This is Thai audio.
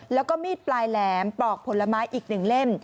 แล้วก็มีดปลายแหลมปลอกผลไม้อีก๑เล่ม